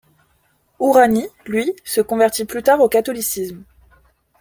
Hourani, lui, se convertit plus tard au catholicisme.